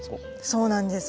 そうなんです。